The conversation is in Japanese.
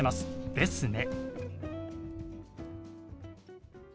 「ですね